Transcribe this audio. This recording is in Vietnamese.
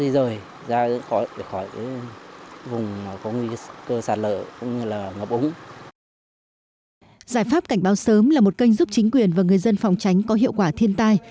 giải pháp cảnh báo sớm là một kênh giúp chính quyền và người dân phòng tránh có hiệu quả thiên tai